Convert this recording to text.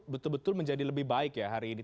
betul betul menjadi lebih baik ya hari ini